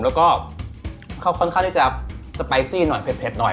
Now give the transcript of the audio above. แล้วก็เขาค่อนข้างที่จะสไปซี่หน่อยเผ็ดหน่อย